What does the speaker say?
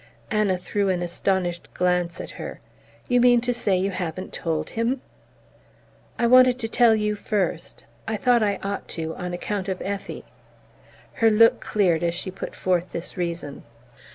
Anna threw an astonished glance at her. "You mean to say you haven't told him?" "I wanted to tell you first. I thought I ought to, on account of Effie." Her look cleared as she put forth this reason.